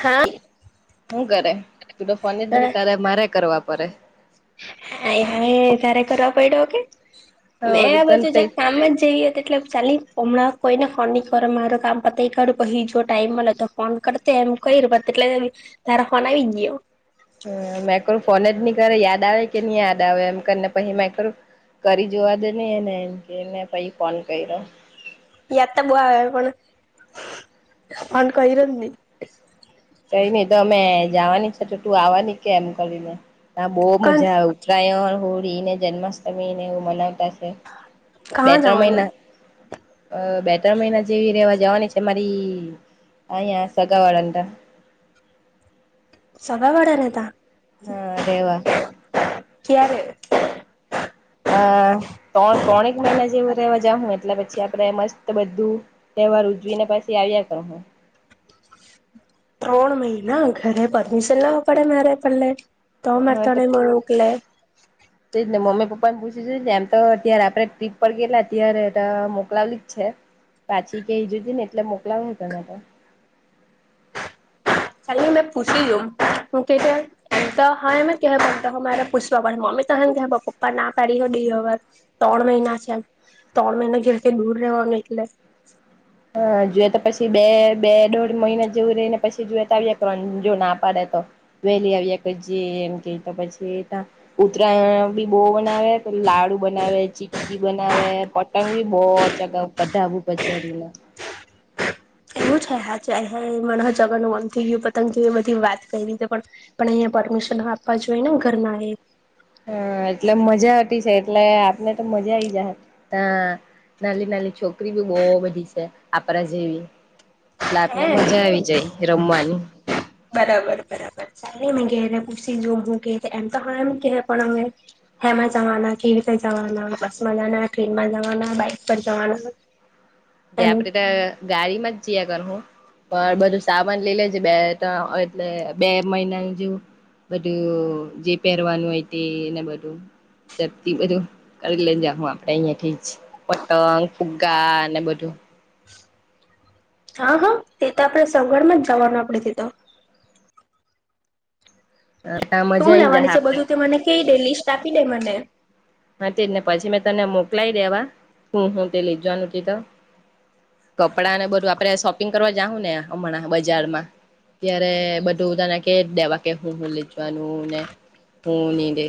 હા. શું કરે? પલો ફોને જ નની કરે મારે કરવા પડે. હાઈ હાઈ તારે કરવા પડ્યો કે? મેં આ રિટર્ન બાજુ જક થઈ કામ જ જેવી હતી એટલે ચાલી હમણાં કોઈને ફોન નઈ કર મારું કામ પતાય કરું પહી જો ટાઈમ મળ લે તો ફોન કરતા એમ કઈરુ તો એટલે તાર ફન આવી ગયો. હ મેક્રો ફોન જ નહી કરે યાદ આવે કે નહી યાદ આવે એમ કરીને પછી મેં કરું કરી જોવા દે નહી એને એમ કેને પ ફોન કર્યો. [unintelligible] બુ આવે પણ કઈરોજ ની. કંઈની એ તો અમે જવાની છે તો તું આવવાની કે એમ કરીને? તા બહુ કાં મજા આવે ઉત્તરાયણ, હોળીને, જન્માષ્ટમી ને એ મનાવતા બે ત્રણ જવાની મહિના અ બે ત્રણ મહિના જેવી રેવા જવાની છે. મારી અહયા સગાવાળાતા. સગાવાળાને તા? હા રેવા. કયારે? અ તણ ત્રણેક મહિના જેવા રહેવા જાહું એટલે પછી આપડે મસ્ત બધું તહેવાર ઉજવીને પછી આવ્યા કરહુ. ત્રણ મહિના! ઘરે પરમિશન લેવા પડે મારે પેલ્લે. તો માર હું તને તે મ મોકલે. જ ને મમ્મી પપ્પાને પૂછી જોજે એમ તો ત્યારે આપડે ટ્રીપ પર ગેલા ત્યારે તો મોકલાવલી જ છે. પાછી કેઈ જોજેની એટલે મોકલાવહે તને તો. ચાલ ની મેં પૂછી જોમ હું કેય તે એમ તો હા એમજ કેહે પણ તો હો મારે પૂશવા પડે મમ્મી તો હા જ કેહે પણ પપ્પા ના પાડી હો દેય અવે તો? ત્રણ મહિના છે એમ ત્રણ મહિના ઘેરથી દૂર રહેવાનું એટલે. હા જોએ તો પછી બે બે દોઢ મહિના જેવું રેયને પછી જોઈએ તો આવીયા કરવાનું જો ના પાડે વહેલી આવ્યા પછી એમ કે તો પછી ત્યાં ઉત્તરાયણ બી બો મનાવે લાડુ બનાવે, ચીકી બનાવે, પતંગ બી બો ચગાઉ ધાબા ઉપર ચડીને. હ એવું છે અચ્છા મન હો જવાનું મન થયું પતંગ જે બધી વાત કયરી રીતે પણ અહીંયા પરમિશન હો આપવા જોઈએ ને ઘરના એ હા એટલે મજા આવતી છે એટલે આપને તો મજા આઈ જાહે હા. નાલી નાલી છોકરી બી બો બધી છે આપણા જેવી એટલે આપને હે મજા આવી જાય રમવાની. બરાબર બરાબર ચાલની મેં ઘેરે પૂછી જોમ હું કે તે એમ તો હા ની કેહે પણ હવે હેમાં જાવાના કેવી રીતે પર જાવાના બસમાં જાવાના, ટ્રેનમાં જવાના, બાઈક પર જવાના [inaudible] તે આપડે તો ગાડીમાં જ જીઆ કરહું. પણ બધું સામાન લઈ લેજે બે તમ એટલે બે મહિના જેવું. બધું જે પહેરવાનું હોય તેને બધું સકથી બધું કરી લઈ જાહું આપડે અહિયાંથી જ પતંગ, ફુગ્ગા અને બ ધુ હા હા તે તો આપણેે સગવડમાં જ જવાનું આપડે તે તો. ત્યાં શું મજા આઈ જાય લેવાની છે આપડે બધું તે મને કેય દે લિસ્ટ આપી દે મને. હા તેજ ને પછી મેં તને મોકલાય દેવા હું હું તે લેય જવાનું તેતો. કપડાને બધું આપડે શોપિંગ કરવા જાહું ને હમણાં બજારમાં. ત્યારે બધું તને કેય જ દેવા કે હું હું લેય જવાનું ને હું નીતે.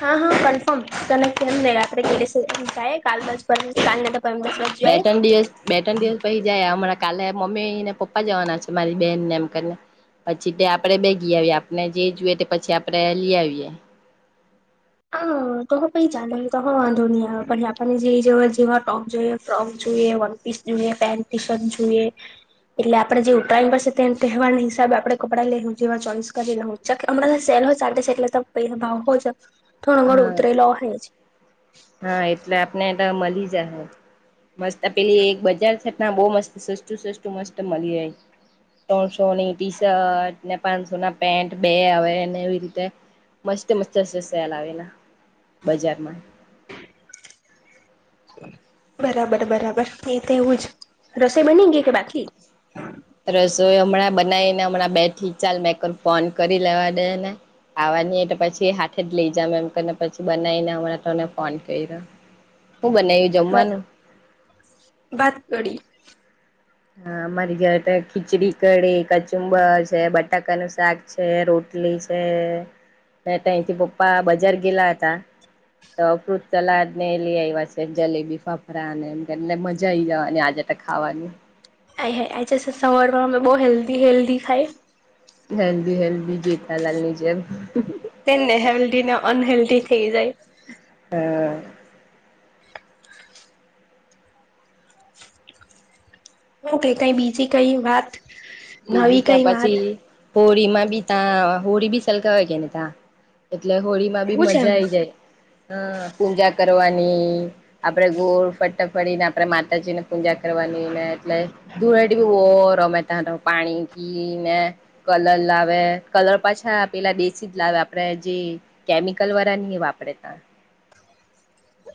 હા હા કનફર્મ તને કેમને રાત્રે કે દિવસ જાએ કાલ ની તો પરમ દસ વાગે બે જાય તણ દિવસ બે ત્રણ દિવસ પહી જાએ હમણાં કાલે મમ્મીને પપ્પા જવાના છે મારી બેનને એમ કરને પછી તે આપણે બે ગી આવીએ આપને જે જોયે તે પછી આપણે લી આવીએ. હા તો હ પહી ચાલે તો હો વાંધો ની આવે પહી આપણને જે જોએ જેવા ટોપ જોઈએ ફ્રોક જો એ વનપીસ જોઈએ, પેન્ટ ટી શર્ટ જોઈએ એટલે આપણે જે ઉત્તરાયણ પર સે તે તહેવાર હિસાબે આપણે કપડાં લેહુ એવા ચોઈસ કરી લેહુ અમણા સે લ હો ચાલતી છે એટલે તો ભાવ હો જ થોડો ઘણો હા ઉતરેલો જ અહે. હા એટલે આપને તો મળી જહે. મસ્ત પેલી એક બજાર થતા બો મસ્ત સસ્તું સસ્તું મસ્ત મલી રેય. ત્રણસોની ટી શર્ટ ને પાંચસોના પેન્ટ બે આવે ને એવી રીતે મસ્ત મસ્ત શે સેલ આવેલા બજારમાં. બરાબર બરાબર એ તો એવું જ રસોઈ બની ગઈ કે બાકી? રસોઈ હમણાં બનાઈને હમણાં બેઠીથી ચાલ મેં કરુ ફોન કરી લેવા દે ને. આવાની હોય તો પછી હાથે જ લઈ જામ એમ કરને પછી બનાઈને અમણા તને ફોન કર્યો. હું બનાવ્યું બેક જમવાનું ભાત કડી હા અમારી જ તો ખીચડી કડી કચુંબ છે બટાકાનું શાક છે રોટલી રોટલી છેત્યા ત્યાથી પપ્પા બજાર ગેલા હતા તો અફૃત તલાદ ને એ લઈ આવ્યા છે જલેબી ફાફરા ને એમ કે એટલે મજા આઈ જવા આજે તે ખાવાની આય હે આ સ સ સવાર બહુ હેલ્ધી હેલ્ધી ખાય હેલ્દી હેલ્દી જીતાલાલ ની જેમ તેને હેલ્દી ને અનહેલ્દી થઈ જાય હા શું કઈ કઈ બીજી કઈ વાત નવી કઈ વાત હોળી માં બી ત્યા હોળી બી સલગાવ હોય કે ને ત્યા એટલે હોળીમાં બી એવું છે એમ મજા આઈ જાય હ પૂજા કરવાની. આપે ગોળ ફટાફડીને આપણે માતાજી ને પૂજા કરવાનીને એટલેૂ વેટીન વોર તમે ત્યા તો પાણી ઘી ને કલર લાવે કલર પાછા પેલા દસી જ લાવે આપડે જે કે કેમિકલ વારા નહી વાપરેતા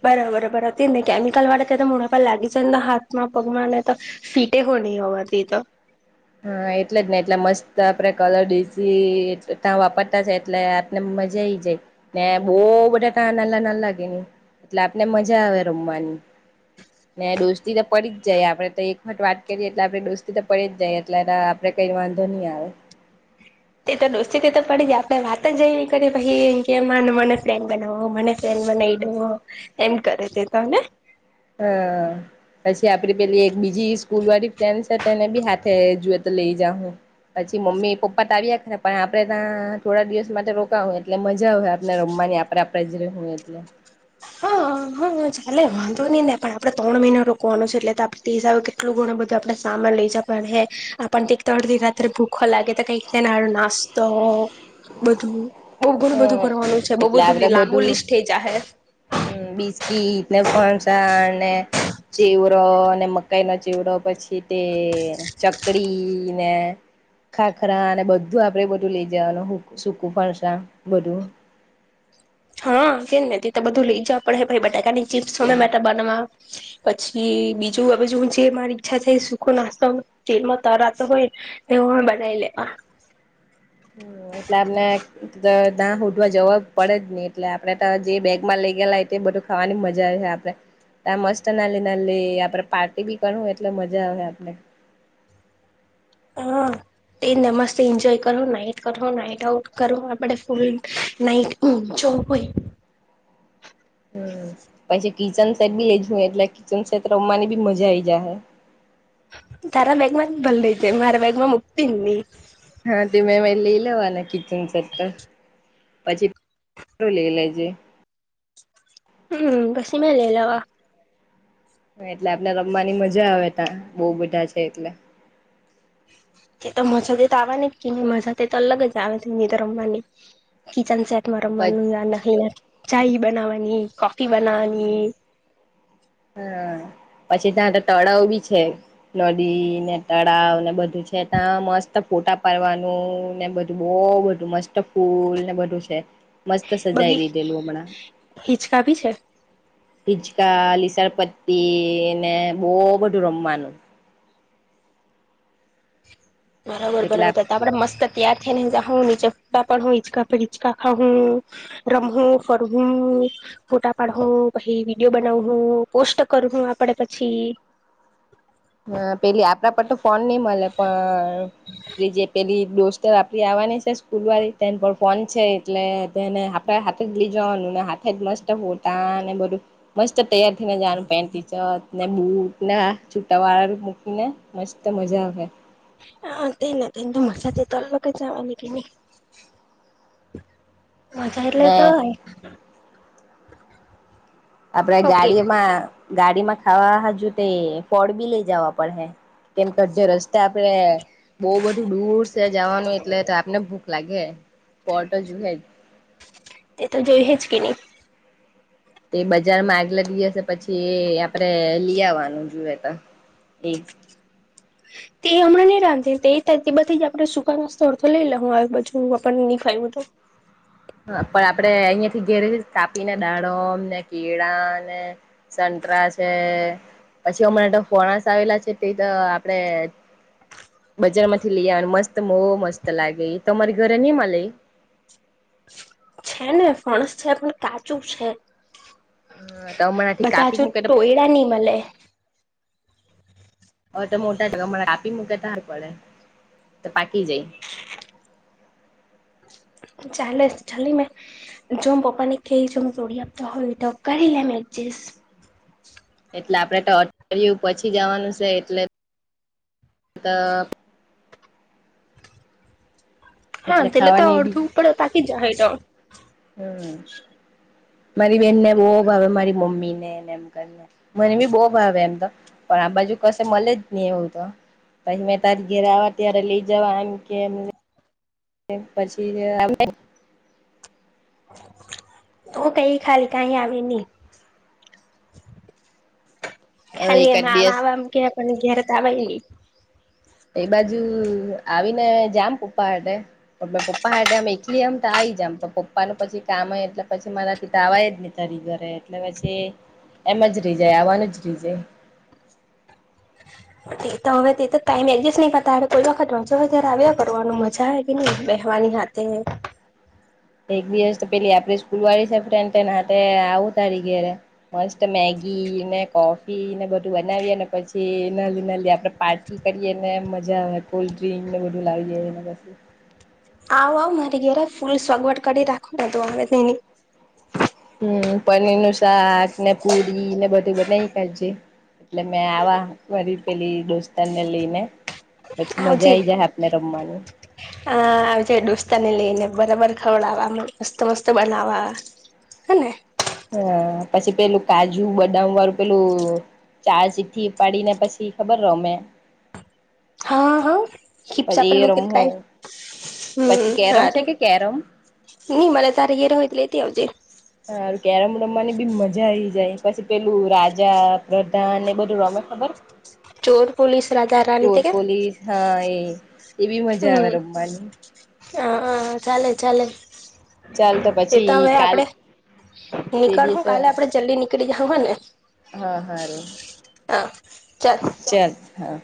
બરાબર બરા હતી કેમિકલ વાળા તો મુ પર લાગી જને હામાં પગમાંને તો ફીટે નહી હોવાથી તો હા એટલે જ ને એટલે મસ્ત આપડે કલર ડીઝ ત્યાં વાપરતા છે એટલે આપને મજા આ આવી જાયને બહુ બધા તા નાલા ના લાગે એટલે આપને મજા આવે રમવાની ને દોસ્તી તો પડી જ જાય આપડે તો એક વખત વાત કરીએ એટલે આપે દોસ્તી તો પડી જ જાયએ એટલે આપડે કઈ વાંધો નહી આવે એ તો દોસ્તી તો પડી જાય આપડે વાત જઈ કરીએ ભઇ કે મને પ્લેન બનાવો મને ફલેન ના એમ કરે દે તને હા પછી આપડી પેલી એક બીજી સ્કૂલ વાળી ફ્રેન્ડ છે તેને બી હાથે જોય તો લઈ જા હું પછી મમ્મી પપ્પા તો આવ્યા ને પણ આપડે ત્યાં થોડા દિવસ માટે રોકા હો એટલે મજા આવે આપને રમ આપ આપણે જિલ્ હ એલે હા હ હા ચાલે વાંધ નઈ ન પણ આપણે ત્રણ મહિનાનો રોકવાનો છે એટલે તો આપણેસ આવ કેટલું ગણું બધું આપડ લજ પણ હે આપ ત અડધી રાત્ર ભૂખ લાગે તો કઈ નાડું નાસ્તો બધું બહુ ઘણું બધું હમ કરવારનું છે બહુ એટલે બધું આપડે લાંબુ લિસ્ટ થઈ જહે હમ બિસ્કીટ ને ફણસા ને ચેવરો અને મકાઈ ન ચીવરો પછી તે ચકડી ને ખાખરા અને બધું આપડે બધું લઈ જવાનું સૂકું ફણસા બદું હા કેમ ને ત તો બધું લઇ જ પડ હે બટાકાની ચીપ્સમે માટે બનવા પછી બીજું હવે જે મારી ઈચ્છા છે સુખો નાસ્તો જેલમાં તરાતો હોય ને એ બનાવી લેવા એટલે આપને દા ઉડવા જવા પડે જ નહી એટલે આપડે તો જે બેગમાં લઈ રીયલ લાફે બધું ખાવાની મજા છે આપડે મસ્ત ના લ ના લઈ આપડે પાર્ટી બી કરવું એટલે મજા આવે આપણે [inaudible] હા તે ન મસ્ત એન્જોય કરો નાઈટ કરો નાઈટ આઉટ કરો આપડ ફૂલ નાઈટ જવુ હોય [inaudible] પછી કિચન સેટ બી લેજુ એટલે કિચન સેટ રમવાની બી મજા આઈ જાય હ તારા બેગમાં જ ભલ રઈ જાય મારા બેગમાં મુકતી નહી હા, તે મેં મે લઈ લેવાના કિચન સરતા પછી, લઈ લેજે હમ, બસી મે લ એલવા. એટલે આપણે રમવાની મજા આવે, ત બહુ બધા છે, એટલે એ તો મજા તો આવવાની કે નહી, મજા તો અલગ જ આવેની તો રમવાની કિચન સેટ માર માન પછ ચય બનાવાની કફી, બનાવાની હા, પછી ત્યા તળાવ બી છે, નદી, ને તળાવ ને બધુ છે, ત્યા મસ્ત ફોટા પાડવાનું ને બધું બહ બધું મસ્ત ફૂલ ને બધું છે. મસ્ત સજાઈ બગી દીધેલુ, હમણા હિચકા ભી છે ચકા, લીસણપતી ને બહ બધુ, રમવાનુ- બરાબર, એટલે બરોબ હતા. આપણે મસ્ત થી, ને જાઉ નીચે્ા પ ઇચકા પર ઇચકા ખઉ રમું ફરુ ફોટા પાડ પછી, વિડીયો બનાવું પોસ્ટ કરું આપડે પછી હ હા, પેલી આપણા પર તો ફોન, નઈ. મળે પણ આપડી જે પેલી દોસ્ટર આપડી આવવાની છે, સ્કૂલ વાળી તેને પણ ફોન છે, એટલે તેને આપડા હાથે જ લઈ, જવાનુ ને હાથે, જ મસ્ત ફતાને બધું મસ્ત તૈયાર થઈ ને જવાનું પેન્ટચ ને બુ ના છૂટા વાળા મૂકી, ને મસ્ત મજા આવે હા, તે નથીને તો મસા તલગ. જવાની કે ન મજા, એટલે ને તો હો આપડે ઓકે ગાડીમા ગાડીમા ખાવા હજુ, તે ફળ બી લઈ જવા પડે હે. કેમ, કેધ રસ્તે આપડે બહુ બધું દૂર છે. જવાનું એટલે આપને ભૂખ લાગે પોટો, જુહેદ તે તો જોઈ, હ છે. તે બજારમા આગલા દિવસે, પછી એ આપડે લઈ આવવાનુ, જુએ તો એક તે એ હમણા નહ, રાંધી બધી જ આપણે સુકા નાસ્તો અડથો લઈ લેુને નહી. ખું હતુ [inaudible] હા, પણ આપડે અહિયાથી ઘેરી કાપીને દાડોમ ને કીળ ને પછી, અમણા તો ફોણાસ આવેલા છે. આપડે બજાર, માંથી લઈ, આવ મસ્ત બ મસ્ત લાગે તમારી ઘરે નહી મા લ છે, ને ફણસ છે, પણ કાચું છે. હ તો હમણાંથી બધા, કાપી હજુ મૂકે તો ટોયડા નહી, મળે હ, તો મોટા ટકા મળ આપી, મૂકે તાર પડે તો પાકી જઈ. [inaudible] ચાલેસ ચાલી મેં જો પપ્પા ને ક છે, હ તોડી આપતો હોય, તો કરી લેમ પચીસ એટલે આપડે, તો અયું પછી જવાનુ છે. એટલે અ તો હા, એટલે તેલે તો ખાવાની બી અર્ધુ ઉપર તકી, જા હટ હમ [unintelligible] મારી બેનને બહુ, ભાવે મારી મમ્મી ને એમકને મને બી બહુ, ભાવે એમ તો પણ આ બાજુ. કસ મે જ નહી, એવું તો પછી, મેમે તારી ઘેરે આવવા ત્યારે લઈ, જવા એમ કે એમ પછી તો કઈ ખાલી, કઈ આવે નહી. હવે ખાલી એકાદ એમા, દિવસ આ કે કો ઘેરે તલી એ બાજુ આવીને જામ, પપ્પા હાડટે, પણ પપ્પા હાડટેમ, એકલી આમ તો આવી આવી જમ પપ્પાનુ પછી, કામ એટલે પછી મારાથીી તાવાય જ નહી, તરી ઘરે એટલે પછી એમ જ રહી જાય આવવાનું જ રહી જાય. [inaudible] તે તો હવે તે તો ટાઈમ એડજસ્ટ નહી પતાડે કોઈ વખત વાંચો્યારે આવ્યા કરવાનું મજા આવે કે નહી આવે બેસવાનું. નિહાતે [unintelligible] એક દીવસ તો પેલી આપડી સ્કૂલ વાળી સે ફ્રેન્ડ તેના હાથે આવું તારી ઘેરે મસ્ત મેગી ને કોફી ને બધું બનાવીએ ને પછી નાલી નાલી આપણે પાર્ટી કરીએ મજા કોલ્ડ્રિંક ને બધું લાવી લઈએ ને પીસી આવ આવ મારી ઘેરે ફૂલ સગવડ કરી રાખો તું આવે તેની હમ્મ. પનીર નું શાક ને પુરી ને બધું બનાવી કાઢજે એટલે મેં આ મારી પેલી દોસ્તને લઈને પછી મજા આવજે આઈ જાય આપને રમવાની. હા આવજે દોસ્તાને લઈ ને બરાબર ખવડાવ મસ્ત મસ્ત બનાવા. હને. હા પછી પેલું કાજુ બદામ વાળું પેલું ચાર ચિઠ્ઠી ઉપાડીને પછી ખબર રમે. હા હા હિપસા પછી એ પેલું કઈ રમવું પછી હમ્મ કેરમ છે હારૂ. કે કેરમ નઈ મને તારે ઘેરે હોય તો લેતી આવજે હા કેરમ રમવાની બી મજા આઈ જાય, પછી પેલું રાજા પ્રધાન એ બધું રમ ખબર ચોર પોલીસ રાધા રાની ચોર તે કે પોલીસ હા એ. એવી મજા આવે રમવાની. હ હ ચાલે ચાલે. ચાલ તો એ પછી હવે કાલ આપડે તે નીકળ હું દિવસે કાલે આપડે જલ્દી નીકળી જાહું હને હારૂ. હા ચાલ. હા.